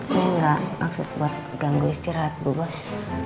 saya enggak maksud buat ganggu istirahat bu bos